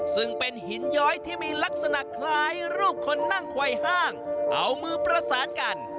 ซึ่งเป็นหินย้อยที่มีลักษณะคล้ายรูปคนนั่งไขว้ห้างเอามือประสานกัน